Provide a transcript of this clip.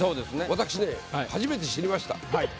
私ね初めて知りました。